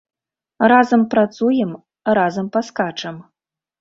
Разам працуем, разам паскачам.